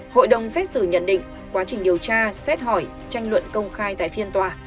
hội đồng xét xử nhận định quá trình điều tra xét hỏi tranh luận công khai tại phiên tòa